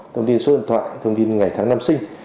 thông tin số điện thoại thông tin ngày tháng năm sinh